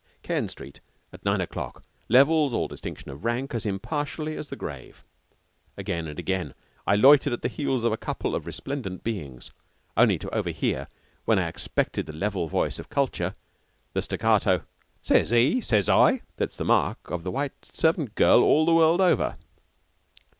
Cairn Street at nine o'clock levels all distinctions of rank as impartially as the grave. Again and again I loitered at the heels of a couple of resplendent beings, only to overhear, when I expected the level voice of culture, the staccato "Sez he," "Sez I" that is the mark of the white servant girl all the world over.